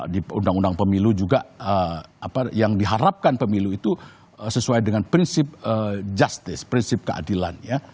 di undang undang pemilu juga yang diharapkan pemilu itu sesuai dengan prinsip justice prinsip keadilan